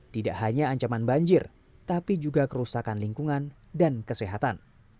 tidak hanya ancaman banjir tapi juga kerusakan lingkungan dan kesehatan